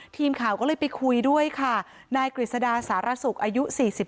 ทีมข่าวก็เลยไปคุยด้วยค่ะนายกฤษดาสารสุขอายุ๔๓